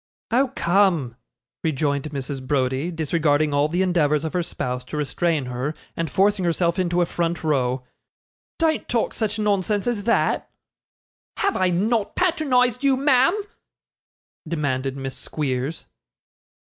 'Oh, come,' rejoined Mrs. Browdie, disregarding all the endeavours of her spouse to restrain her, and forcing herself into a front row, 'don't talk such nonsense as that.' 'Have I not patronised you, ma'am?' demanded Miss Squeers.